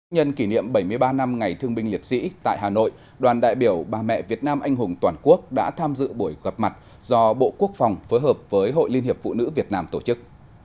nhân kỷ niệm bảy mươi ba năm ngày thương binh liệt sĩ tại hà nội đoàn đại biểu bà mẹ việt nam anh hùng toàn quốc đã tham dự buổi gặp mặt do bộ quốc phòng phối hợp với hội liên hiệp phụ nữ việt nam tổ chức